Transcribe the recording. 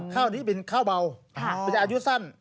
ข้าวนี้เป็นข้าวเบามันจะอายุสั้น